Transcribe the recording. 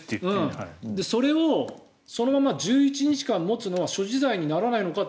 それをそのまま１１日間持つのは所持罪にならないのかって